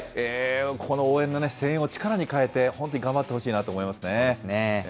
この応援のね、声援を力に変えて、本当に頑張ってほしいなとそうですね。